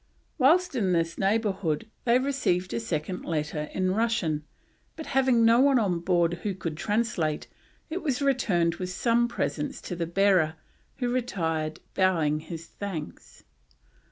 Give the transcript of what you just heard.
Whilst in this neighbourhood they received a second letter in Russian, but having no one on board who could translate, it was returned with some presents to the bearer, who retired bowing his thanks.